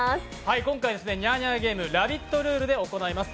今回、ニャーニャーゲーム「ラヴィット！」ルールで行います。